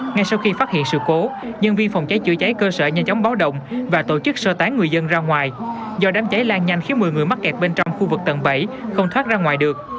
ngay sau khi phát hiện sự cố nhân viên phòng cháy chữa cháy cơ sở nhanh chóng báo động và tổ chức sơ tán người dân ra ngoài do đám cháy lan nhanh khiến một mươi người mắc kẹt bên trong khu vực tầng bảy không thoát ra ngoài được